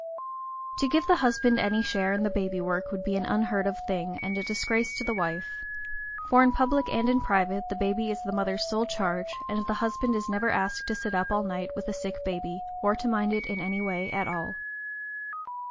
To give the husband any share in the baby work would be an unheard of thing, and a disgrace to the wife; for in public and in private the baby is the mother's sole charge, and the husband is never asked to sit up all night with a sick baby, or to mind it in any way at all.